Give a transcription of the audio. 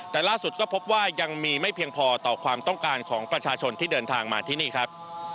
แต่ล่าสุดก็พบว่ายังมีไม่เพียงพอต่อความต้องการของประชาชนที่เดินทางมาที่นี่ครับ